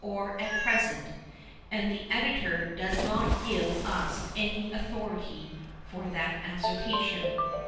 or at present; and the Editor does not give us any authority for that assertion.